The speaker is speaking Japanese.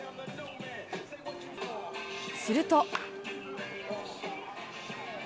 すると。